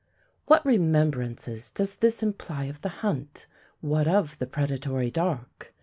What remembrances does this imply of the hunt, what of the predatory dark?